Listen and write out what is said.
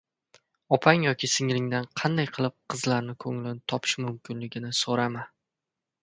Opang yoki singlingdan qanday qilib qizlarni koʻnglini topish mumkinligini soʻrama.